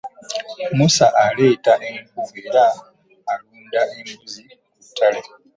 Musa aleeta enku era alunda embuzi ku ttale.